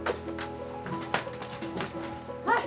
はい！